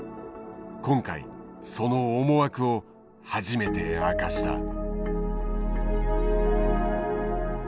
今回その思惑を初めて明かした。